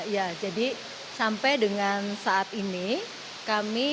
ya jadi sampai dengan saat ini kami dari tim infeksi